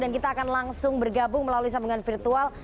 dan kita akan langsung bergabung melalui sambungan virtual